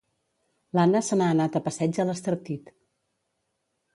L'Anna se n'ha anat a passeig a l'Estartit